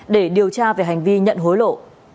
để điều tra về hành vi nhận hối lộ